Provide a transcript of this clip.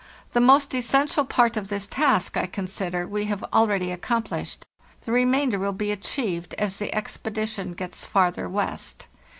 The most essential part of this task, I consider, we have already accomplished; the remainder will be achieved as the expedition gets farther west.